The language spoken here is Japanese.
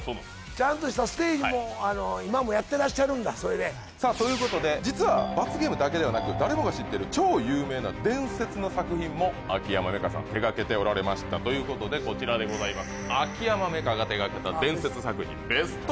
ちゃんとしたステージも今もやってらっしゃるんだそれでということで実は罰ゲームだけではなく誰もが知ってる超有名な伝説の作品も秋山メカさん手がけておられましたということでこちらでございます